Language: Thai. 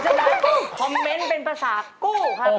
เพราะฉะนั้นคอมเม้นต์เป็นภาษากูครับ